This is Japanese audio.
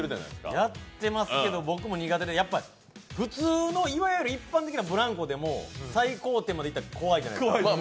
やってますけど、僕も苦手で普通の今やる一般的なブランコでも最高点行ったら、怖いじゃないですか。